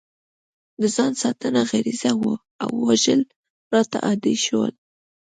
د ځان ساتنه غریزه وه او وژل راته عادي شول